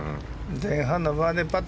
前半のバーディーパット